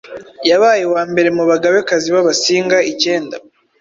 yabaye uwa mbere mu Bagabe-kazi b’Abasinga icyenda